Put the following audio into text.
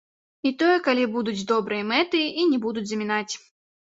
І тое, калі будуць добрыя мэты і не будуць замінаць.